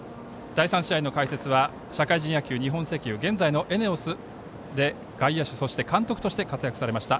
第３試合の解説は社会人野球日本石油現在のＥＮＥＯＳで外野手そして監督として活躍されました。